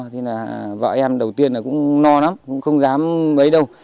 thế là vợ em đầu tiên là cũng no lắm cũng không dám mấy đâu